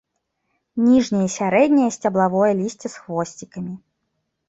Ніжняе і сярэдняе сцябловае лісце з хвосцікамі.